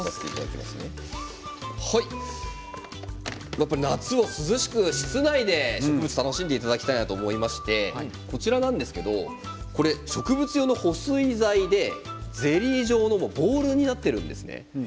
やっぱり夏を涼しく室内で植物を楽しんでいただきたいと思いまして植物用の保水剤でゼリー状のものボールになっているんですね。